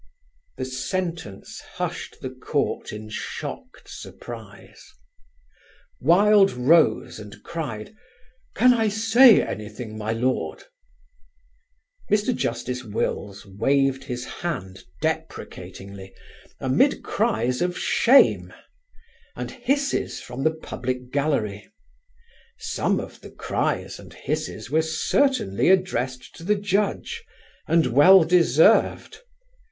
The sentence hushed the court in shocked surprise. Wilde rose and cried, "Can I say anything, my lord?" Mr. Justice Wills waved his hand deprecatingly amid cries of "Shame" and hisses from the public gallery; some of the cries and hisses were certainly addressed to the Judge and well deserved.